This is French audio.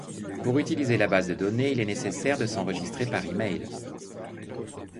Pour utiliser la base de données, il est nécessaire de s'enregistrer par email.